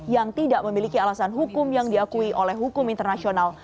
yang tidak memiliki alasan hukum yang diakui oleh hukum internasional